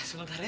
sumpah ntar ya